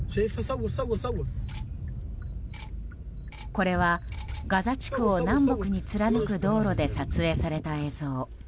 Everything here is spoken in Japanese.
これは、ガザ地区を南北に貫く道路で撮影された映像。